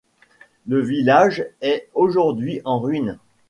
Le village est aujourd'hui en ruine.